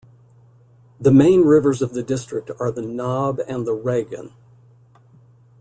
The main rivers of the district are the Naab and the Regen.